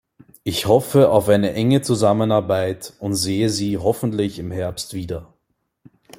Ich hoffe auf eine enge Zusammenarbeit und sehe Sie hoffentlich im Herbst wieder.